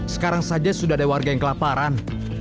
sekarang saja sudah ada warga yang kelaparan